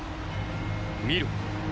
見ろ。